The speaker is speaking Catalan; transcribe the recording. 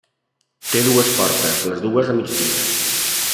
Té dues portes, les dues a migdia.